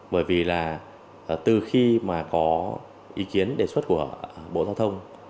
bởi vì là từ khi mà có ý kiến đề xuất của bộ giao thông